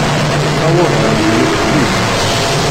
Tuweḍ ɣer din uqbel-ik.